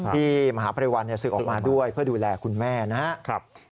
ที่มหาปรัยวัลศึกออกมาด้วยเพื่อดูแลคุณแม่นะ